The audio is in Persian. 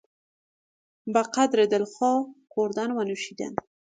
به قدر دلخواه خوردن و نوشیدن